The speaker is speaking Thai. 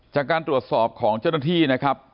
จากการตรวจสอบของเจ้าหน้าที่นะครับ